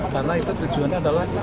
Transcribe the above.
karena itu tujuannya adalah